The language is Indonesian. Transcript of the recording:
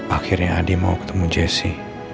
akhirnya adi mau ketemu jesse